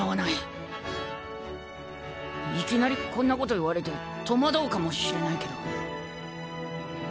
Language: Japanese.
いきなりこんなこと言われて戸惑うかもしれないけど。